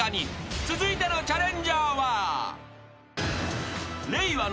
［続いてのチャレンジャーは］